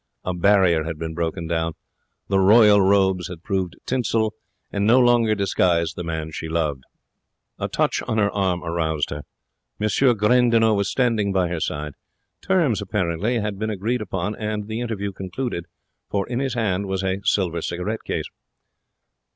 A barrier had been broken down. The royal robes had proved tinsel, and no longer disguised the man she loved. A touch on her arm aroused her. M. Gandinot was standing by her side. Terms, apparently had been agreed upon and the interview concluded, for in his hand was a silver cigarette case.